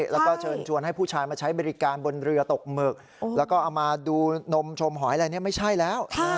แล้วก็เชิญชวนให้ผู้ชายมาใช้บริการบนเรือตกหมึกแล้วก็เอามาดูนมชมหอยอะไรเนี่ยไม่ใช่แล้ว